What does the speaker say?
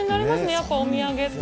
やっぱお土産って。